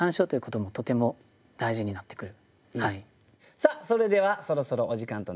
さあそれではそろそろお時間となりました。